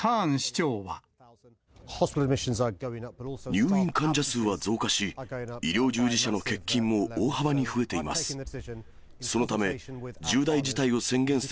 入院患者数は増加し、医療従事者の欠勤も大幅に増えています。